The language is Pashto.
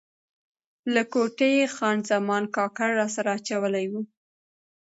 له کوټې یې خان زمان کاکړ راسره اچولی و.